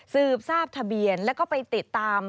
สืบทราบทะเบียนแล้วก็ไปติดตาม